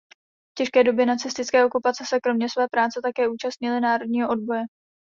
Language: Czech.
V těžké době nacistické okupace se kromě své práce také účastnily národního odboje.